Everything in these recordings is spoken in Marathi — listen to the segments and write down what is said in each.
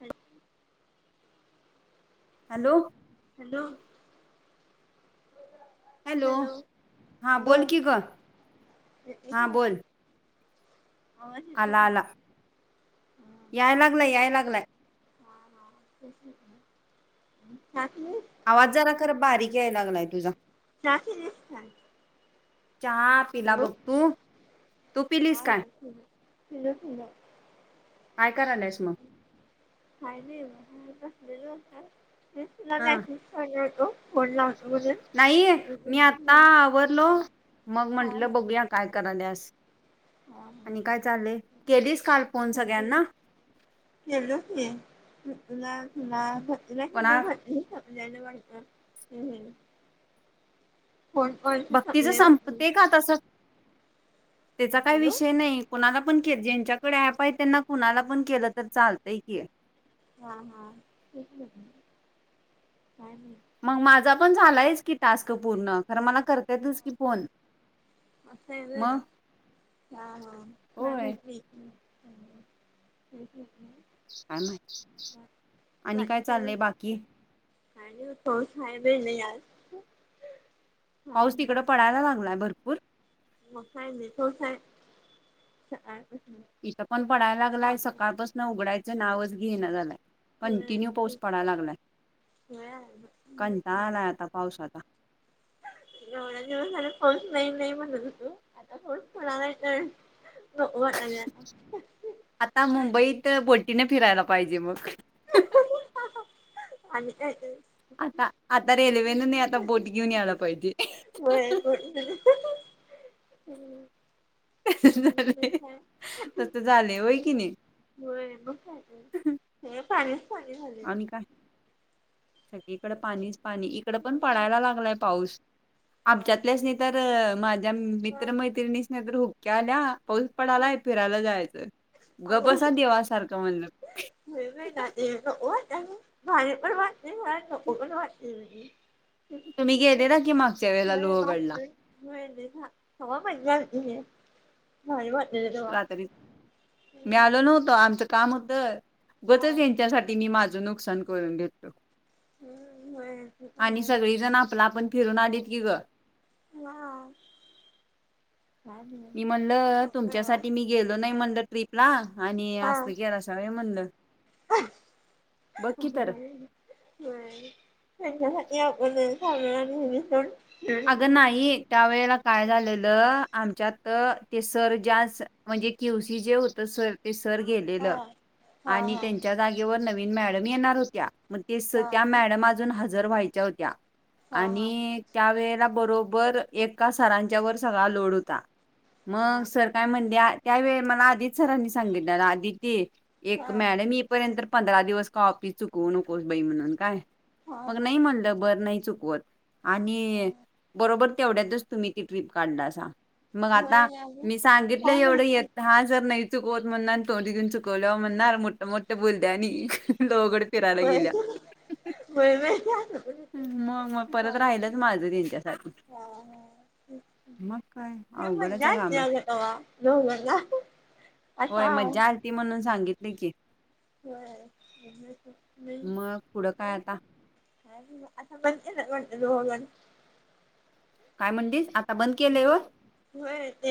अच [unintelligible] हॅलो, हॅलो, हॅलो, हा हॅलो, बोल की ग हा बोल आवाज येतोय आला काय आला हा याय लागलय याय लागलाय. हा नत [unintelligible] आवाज जरा खर बारीक याय लागलाय तुझा चख कीछान [unintelligible] चहा पिला बघ तू तू पिलीस काय. तला तला काय करायलायस मग [unintelligible] खयली म बल खय [unintelligible] [inaudible] ते तुला हा मेसेज करण होतो. फोन लावतो म्हणून नाही मी आता आवरलो. मग हा हा म्हंटलं बघूया काय करालस. हा आणि काय चालेय केलीस काल फोन हा सगळ्यांना केलो की. भतला भटला कोणा भट सल्याला वाटत [unintelligible] [inaudible] भक्तीच म्हटलीस संपते का तसा त्याचा काही हॅलो विषय नाही कोणाला पण के ज्यांच्याकडे ॲप आहे त्यांना हा कुणाला हा पण केलं तर चालतंय. क [unintelligible] हा हा काय माहित मग माझा पण झालायच की टास्क पूर्ण खर मला करता येतच की फोन असं र मग हा हा होय. चालेक, [inaudible] ह ह [unintelligible] आणि काय चाललंय बाकी, आणियबेल या पाऊस तिकड [unintelligible] पडायला लागलाय भरपूर, खय मठो खय [unintelligible] सकाळ पासन उघडायचं नावच घे ना झाला. होय कंटिन्यू पाऊस तेच पडा लागलाय. होय कंटाला आता पावसा आचा होस नाही नाही म्हणून तू आता फस म्हणाला तर नको वाटालय आता आता मुंबईत ब तिने फिरायला पाहिजे मग आणिम कायेत [inaudible] आता आता रेल्वेन नाही आता बोट घेऊन यायला पाहिजे. हम्म. र [unintelligible] त झाले होय की नाही. चाले ले झाले. इकड पाणीच पाणी इकड पण पडायला लागलाय पाऊस आमच्यातल्याच नाही तर माझ्या मित्रमैत्रिणीच नाही तर, क न पाऊस पडालाय फिरायला जायचं ग बस देवा सारखं म्हण हो ना हो माझ पण वाच नाही झा पण वाच नाही हो, तुम्ही गेलेला की मागच्या वेळेला हो लोहगडला म हो हवा माज झाल [unintelligible] होय होय. रात्री मी आलो नव्हतं आमचं काम होतं. बच हा यांच्यासाठी मी माझं नुकसान करून घेतलो. हम्म होय ते पण आणि आहे. सगळेजण आपला आपण फिरून आलेत की ग. हा. काय नाही मी म्हणल हा तुमच्यासाठी मी गेलो नाही म्हणलं ट्रीप ला. आणि असत केला सवय म्हणलं. बघ ब की तर [unintelligible] याकण सा आणिमषण [unintelligible] अगं नाही त्या वेळेला काय झालेलं. आमच्यात ते सर ज म्हणजे केवशीी जे होतं सर ते सर हा गेलेलं हा आणि हा त्यांच्या जागेवर नवीन मॅडम येणार होत्या मग ते हा. त्या मॅडम अजून हजर व्हायच्या होत्या हा हा आणि, त्यावेळेला बरोबर एका सरांच्या वर सगळा लोड होता. हा मग सर काय म्हणते त्यावेेळी मला आदित सरांनी सांगितलंलं आदितती्य एक हा मॅड म इईपर्यंत पंधरा दिवस काॉपी चुकवू नकोस बाई म्हणून काय. हा मग हा नाही म्हणलं बर नाही चुकवत आणि बरोबर तेवढ्यातच तुम्ही ती ट्रीप काढला असा. मग होय आता ना गं मी सांगितलं काय एवढं य हजर चुकवत म्हणणार आणि थोडी घऊन चुकवल्या म्हणणार मोठ्या मोठ्या बुद्यानी. गावाकडे फिरायला गेल्या. म्हणते होय होय मग मग परत राहिलंच माझं त्यांच्यासाठी. मग काय अवघड्याच मज्जा असते काम आहे. अगं तवा दोघांना होय आता मज्जा आलती म्हणून सांगितली की. ब नाही. मग पुढं काय आता आता बंद झाले वाटत [unintelligible] काय म्हणलीस आ होय ते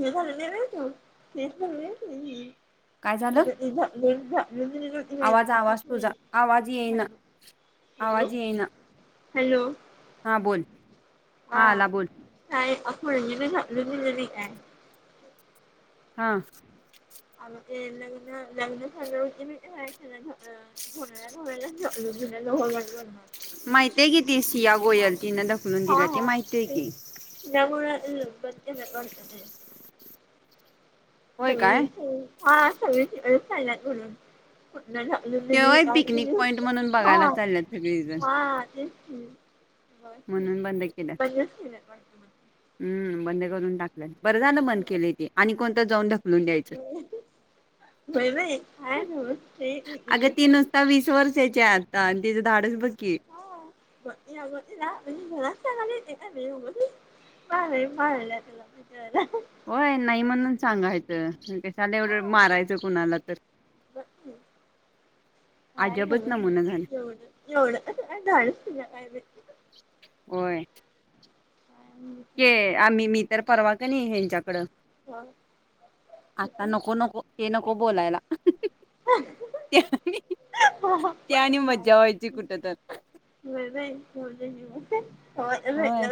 जसाानवेचु [unintelligible] ध. काय झालं आवाज आवाज [unintelligible] आवाजी येईना. हॅलो. हा बोल. हा आला बोल. का आपण ल ललली आहे. हा. आग ते लग्न लग्न झालं होते म [unintelligible] होण्याला दि लोणार [unintelligible] माहितय कि ती सिया गोयल तिन ढकलून दिलं ते माहतीय की. गळ ब बत [unintelligible] जी जी होय सगळे काय हा सगळीलात बोलून. का हा ते होय पिकनिक पॉईंट म्हणून बघायला चालल्यात सगळेजण हा अ. हम् म्हणून बंद ब केलं बजच मिट. हम्म बंद करून टाकलं बरं झालं बंद केलं ते आणि कोणतं जाऊन ढकलून द्यायचं. होय बाई काय नव्हं ते अग विचित्रच ती आहे नुसता वीस वर्षाच्या आता. तीच धाडस बघ की. बघ बघ म्हण घांगाली काय ब. बा बालाला. होय नाही म्हणून सांगायचं कशाला एवढं मारायचं कुणाला तर. ब. अजबच कायववड नमुना झालं ए का [unintelligible] होय. हा तर परवा क नाही यांच्याकड आता नको नको ते नको. हो बोलायला ह त्यानी त्यानी मज्जा ह व्हायची कुठं तर. ब [inaudible] होय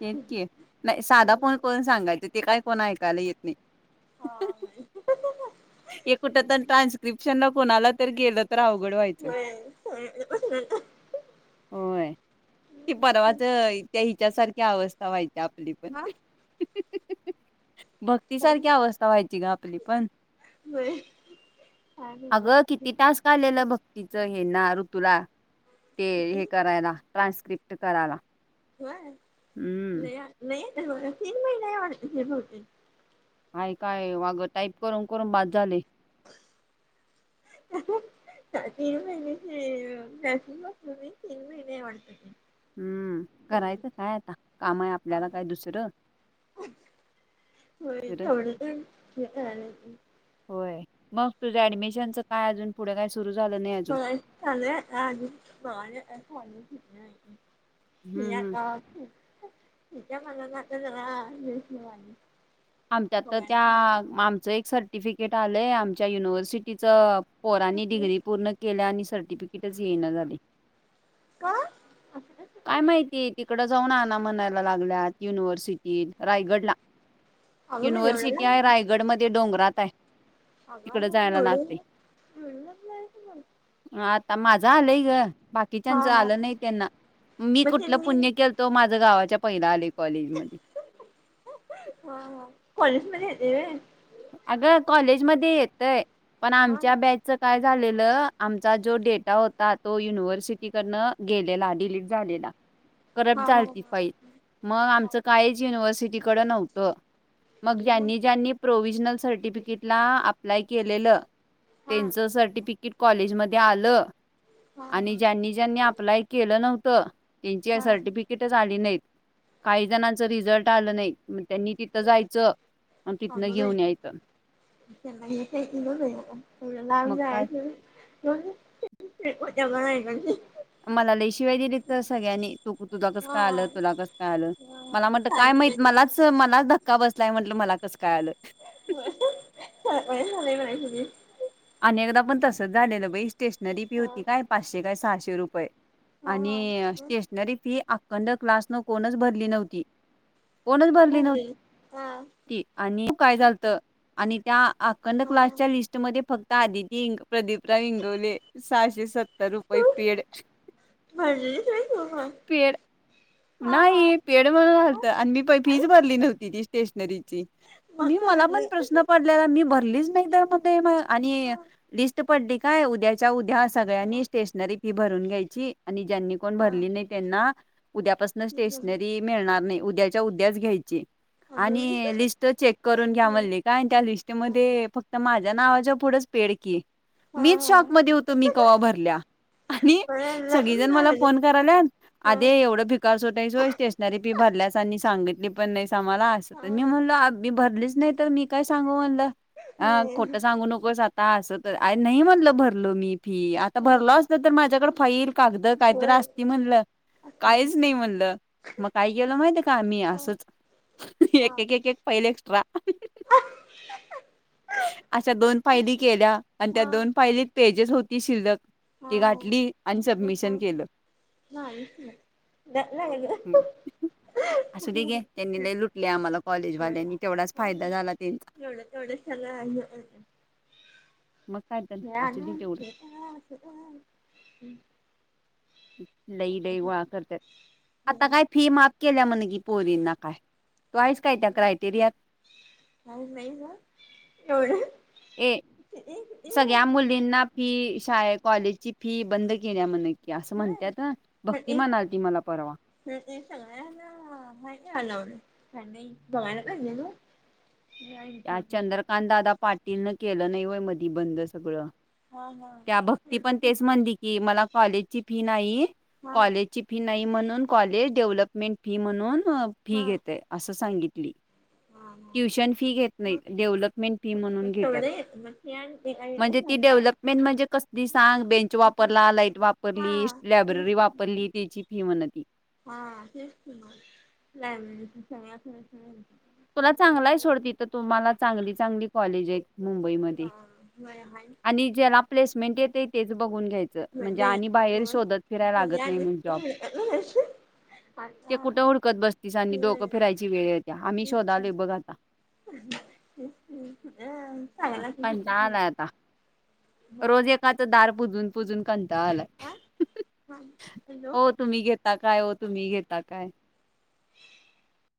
तेच की नाही साधा फोन करून सांगायचं ते काय कोण ऐकायला येत नाही हा एक कुठ तर ट्रान्स्क्रिप्शन ला कोणाला तर गेलं तर अवघड व्हायचं. होय होय ति परवाच त्या हिच्या सारखी अवस्था व्हायती आपली पण भक्तीसारखी अवस्था व्हायची ग आपली पण अगं किती टास्क आलेलं भक्तीच हे ना ऋतूला ते हे करायला ट्रान्स्क्रिप्ट करायला हो हम्म. नाही नाही ब तीन महिन वाटतय बहुतेक हय काय वाग टाईप करून करून बास झाले [inaudible] तीन महिनचेॅस ब म तीन महिने वाटत ते हम्म करायचं काय आता काम आहे आपल्याला काय दुसरं होय फिरं. तेवढ पण हे [inaudible] होय. मग तुझ्या एडमिशनचं काय अजून पुढे काय सुरू झालं नाही अजून? होय चालु आहे आता अजून [inaudible] हं, हं. [inaudible] आमच्यात तर त्या बघायला आमचं एक सर्टिफिकेट आलंय आमच्या युनिव्हर्सिटीचं पोरांनी कसलं डिग्री पूर्ण केल्या आणि सर्टिफिकेटच येन झाले का असं कसं काय माहितीय तिकड जाऊन म्हनायला लागल्यात युनिव्हर्सिटी रायगडला अगं बाई युनिव्हर्सिटी आहे रायगडमध्ये डोंगरात आहे आग आग तिकडं जायला एवढ्या लागतंय. लांब जायचं आता माझं आलंय ग बाकीच्यांच हा हा आलं नाही त्यांना मी मग ते कुठलं पुण्य केलतो माझ गावाच्या पहिला आले कॉलेज मध्ये हा कॉलेज मध्ये येतेय व्हय अग कॉलेज मध्ये येतय पण हा आमच्या बॅचच काय झालेलं आमचा जो डेटा होता तो युनिव्हर्सिटीकडन गेलेला डिलीट झालेला हा करप्ट हा झालती फाईल मग हा आमचं कालेज युनिव्हर्सिटीकड नव्हतं मग ज्यांनी ज्यांनी प्रोव्हजनल सर्टिफिकेटला अप्लाय केलेलं हा त्यांचं सर्टिफिकेट कॉलेजमध्ये आलं हा आणि हा ज्यांनी ज्यांनी अप्लाय केलं नव्हतं त्यांची हा सर्टिफिकेटच आली नाही काही जणांच रिझल्ट आलं नाही मग त्यांनी तिथं जायचं म तिथनं घेऊन यायचं काल एड लाल मग काय जायच कोठ आहे म्ह मला लई शिव्या दिली तसगळ्यांनी तू तुला कस हा काय हा आलं तुला कस काय आलं मला म्हणत काय माहित सांगितली मलाच मलाच धक्का बसलाय म्हणल मला कस काय आलं [inaudible] सरप्राइज आलंय म्हणायचं की अनेकदा पण तसंच झालेलं बाई स्टेशनरी फी हा होती काय पाचशे काय सहाशे रुपये हा हा आणि मग स्टेशनरी फी कंड क्लासनं कोणच भरली नव्हती कोणच भरली भजी हा नव्हती आणि काय झालत आणि त्या अखंड हा हा क्लासच्या लिस्ट मध्ये फक्त तादितींग प्रदीपराव ईगवले सहाशे सत्तर रुपये पेड भजी खाईस तू पण पेड हा हा नाही पेड म्हणून आलतं मग आणि मी प फीस ऐक भरली नव्हती ती स्टेशनरी ची मग मी मला पण भरलं प्रश्न पडलेला मी भरलीच नाही तर म ते म आणि हा लिस्ट पडली काय उद्याच्या उद्या सगळ्यांनी मग स्टेशनरी फी भरून घ्यायची. आणि ज्यांनी कोण हा भरली नाय त्यांना उद्यापासनं स्टेशनरी मिळणार नाय. उद्याच्या उद्याच घ्यायची. आलो मी हा आणि लिस्ट चेक करून घ्या. म्हणली काय त्या लिस्टमध्ये फक्त माझं नावाच्या पुढच पेड की, हा मीच शॉक मध्ये होतो मी कवा भरल्या? आणि बरं झालं सगळीजण ना मला म्हणजे फोन कराल्यात हा आदे एवढं स्वतः हाईस व्हय स्टेशनरी फी भरल्यास आणि सांगितली पण नाहीस आम्हांला अस हा त मी म्हणलो आ भरलीच नाय तर मी काय सांगू म्हणलं अ होय खोटं सांगू नकोस आ या असं तर आ नही म्हणलं भरलो मी फी आता भरलो असतो तर माझ्याकडं फाईल कागदं काही तरी होय असं असती म्हणलं म्हण काहीच नही म्हणलं म काय केेलं माहितीय का मी हा असंच एक हा एक एक एक फाईल एक्स्ट्रा अशा दोन फाईली केल्या. आणि त्या हा दोन फाईलीत पेजेस होती शिल्लक. हा ती घातली आणि सबमिशन केलं. नाहीच मग न्ह नाय हं. ग असू दे घे तेनि लय लुटलंय आम्हाला होय कॉलेजवाल्यानी तेवढाच काय फायदा झाला तेंचा एवढं मग काय तर [unintelligible] असू दे तेवढं [unintelligible] लई लई गोळा करत्यात आता काय फी माफ केल्या म्हणी की पोरींना काय तू हायस काय त्या क्रायटेरियात नाही ग ए सगळ्या मुलींना फी शाळे कॉलेजची फी बंद केल्या म्हणे व्हय मग ते मला परवा. म ते सगळ्यांना हाय फॅन लावलय फॅन नाही बघायला पाहिजे ग त्या चंद्रकांतदादा पाटीलन केलं नाय व्हय मधी बंद सगळं हा हं त्या भक्ती पण तेच म्हणली की मला कॉलेजची फी नाही. कॉलेजची फी नाही म्हणून कॉलेज डेव्हलप मेन्ट फी म्हणून हा फी हा घेतय अस सांगितली. हा ट्युशन फी घेत नाहीत मग डेव्हलपमेंट फी मग म्हणून घेत्यात तेवढे येत मग ते आणि ते आणि म्हणजे ती झालं डेव्हलपमेंट म्हणजे कसलीस सांग बेंच वापरला, लाईट वापरली, हा तेच लायब्ररी वापरली त्याची फी म्हण ती. हा तेच की मग लायब्ररीची सगळ्या सगळ्या [unintelligible] तुला चांगलाय सोड तिथं तुम्हाला चांगली चांगली कॉलेज आहेत मुंबईमधी सगळ्या हा आणि ज्याला प्लेसमेंट येतय तेच बघून घ्यायच नाही म्हणजे नाही आणि बाहेर शोधत फिरायला मुली लागत नाही आणि म्हण जॉब आता ते कुठं हुडकत बसतीस आणि डोकं फिरायची वेळ येत्या आम्ही शोधालोय बघ आता अ चांगला कंटाळा आलाय आता रोज एकाचं दार पुजून पुजून कन टाळा आलाय. हॅलो वो तुम्ही घेता काय? वो तुम्ही घेता काय? [unintelligible]